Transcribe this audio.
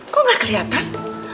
kok gak keliatan